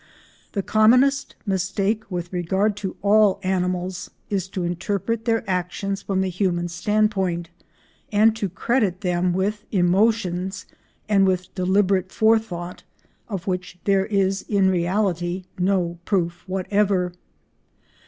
The commonest mistake with regard to all animals is to interpret their actions from the human standpoint, and to credit them with emotions and with deliberate forethought of which there is in reality no proof whatever.